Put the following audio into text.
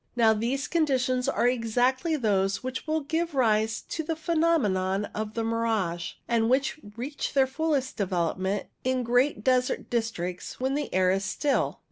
Now, these conditions are exactly those which will give rise to the phenomenon of SANDSTORMS 117 the mirage, and which reach their fullest develop ment in great desert districts when the air is still.